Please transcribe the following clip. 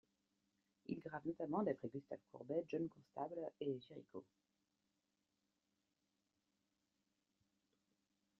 Il grave notamment d'après Gustave Courbet, John Constable et Géricault.